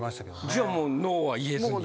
じゃあもうノーは言えずに。